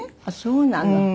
あっそうなの。